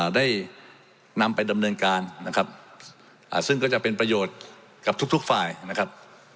ได้นำไปดำเนินการนะครับซึ่งก็จะเป็นประโยชน์กับทุกฝ่ายนะครับ